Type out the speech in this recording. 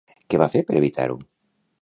Què va fer per evitar-ho?